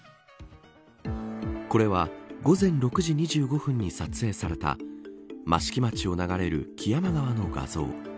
これは午前６時２５分に撮影された益城町を流れる木山川の画像。